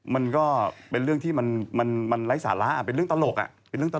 มันก็เป็นเรื่องที่มันไร้สาระเป็นเรื่องตลกอ่ะเป็นเรื่องตลก